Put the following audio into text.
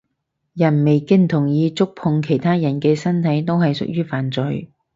人未經同意觸碰其他人嘅身體都係屬於犯罪